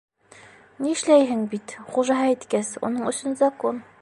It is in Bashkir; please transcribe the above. Нишләйһең бит, хужаһы әйткәс, уның өсөн закон.